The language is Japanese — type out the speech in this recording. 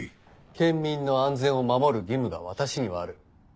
県民の安全を守る義務が私にはある。